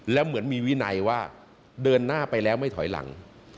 แล้วเหมือนมีวินัยว่าเดินหน้าไปแล้วไม่ถอยหลัง